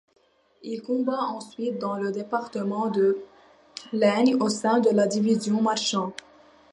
Il combat ensuite dans le département de l’Aisne, au sein de la division Marchand.